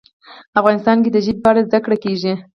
افغانستان کې د ژبې په اړه زده کړه کېږي.